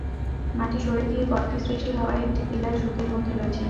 মাটি সরে গিয়ে গর্তের সৃষ্টি হওয়ায় একটি পিলার ঝুঁকির মধ্যে রয়েছে।